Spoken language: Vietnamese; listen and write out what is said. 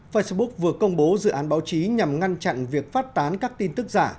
facebook vừa công bố dự án báo chí nhằm ngăn chặn việc phát tán các tin tức giả